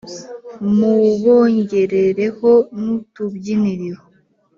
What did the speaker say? Mubongerereho n'utubyiniriro